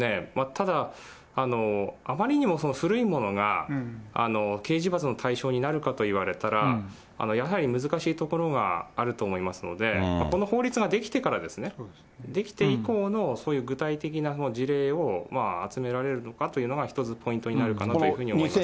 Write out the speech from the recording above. ただ、あまりにも古いものが、刑事罰の対象になるかと言われたら、やはり難しいところがあると思いますので、この法律が出来てからですね、出来て以降の、そういう具体的な事例を集められるのかというのが一つポイントになるかというふうに思います。